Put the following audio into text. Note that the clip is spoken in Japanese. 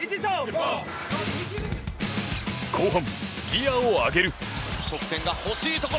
後半、ギアを上げる。